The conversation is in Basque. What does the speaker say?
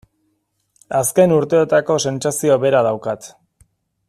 Azken urteotako sentsazio bera daukat.